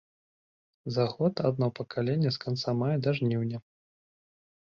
За год адно пакаленне з канца мая да жніўня.